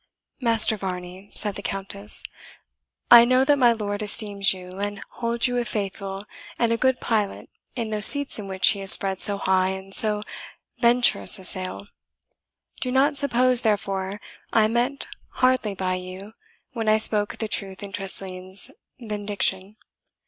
"Master Varney," said the Countess, "I know that my lord esteems you, and holds you a faithful and a good pilot in those seas in which he has spread so high and so venturous a sail. Do not suppose, therefore, I meant hardly by you, when I spoke the truth in Tressilian's vindication.